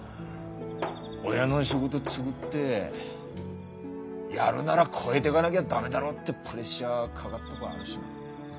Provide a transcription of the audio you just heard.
親の仕事継ぐってやるなら超えてかなぎゃ駄目だろってプレッシャーかがっとごあるしな。